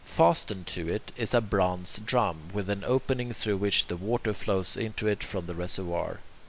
Fastened to it is a bronze drum with an opening through which the water flows into it from the reservoir.